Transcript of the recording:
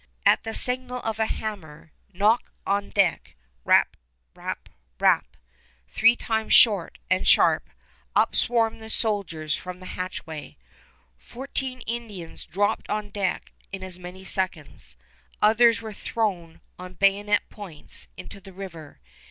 At the signal of a hammer knock on deck, rap rap rap, three times short and sharp, up swarm the soldiers from the hatchway. Fourteen Indians dropped on the deck in as many seconds. Others were thrown on bayonet points into the river.